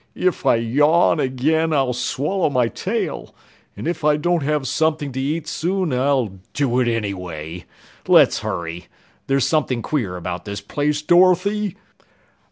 "If I yawn again, I'll swallow my tail, and if I don't have something to eat soon, I'll do it anyway. Let's hurry! There's something queer about this place, Dorothy!